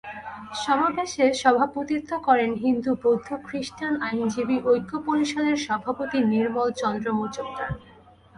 সমাবেশে সভাপতিত্ব করেন হিন্দু বৌদ্ধ খ্রিষ্টান আইনজীবী ঐক্য পরিষদের সভাপতি নির্মল চন্দ্র মজুমদার।